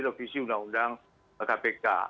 revisi undang undang kpk